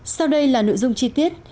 sau đây là nội dung chi tiết